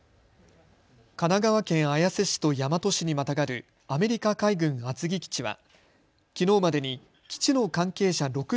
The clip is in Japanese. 神奈川県綾瀬市と大和市にまたがるアメリカ海軍厚木基地はきのうまでに基地の関係者